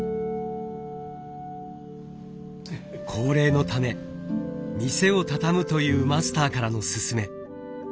高齢のため店をたたむというマスターからの勧め。